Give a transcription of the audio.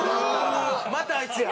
またあいつや！